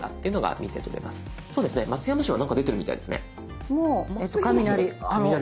そうですね松山市は何か出てるみたいですね。も雷。